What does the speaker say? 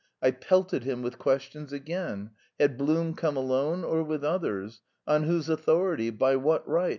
I pelted him with questions again. Had Blum come alone, or with others? On whose authority? By what right?